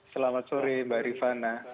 selamat sore mbak rifana